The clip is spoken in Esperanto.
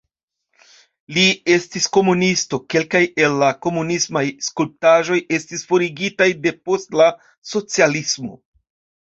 Li estis komunisto, kelkaj el la komunismaj skulptaĵoj estis forigitaj depost la socialismo.